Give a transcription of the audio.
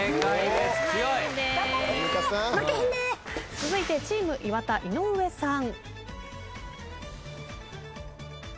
続いてチーム岩田井上さん。